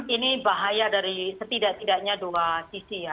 ini bahaya dari setidak tidaknya dua sisi ya